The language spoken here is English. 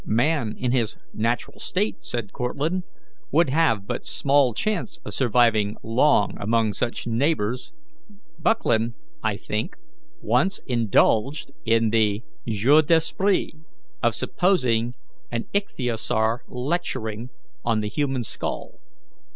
"Man in his natural state," said Cortlandt, "would have but small chance of surviving long among such neighbours. Buckland, I think, once indulged in the jeu d'esprit of supposing an ichthyosaur lecturing on the human skull.